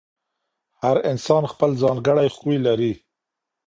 هر انسان خپل ځانګړی خوی لري.